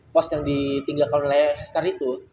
pos yang ditinggalkan oleh star itu